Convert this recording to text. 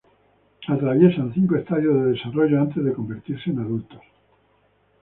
Atraviesan cinco estadios de desarrollo antes de convertirse en adultos.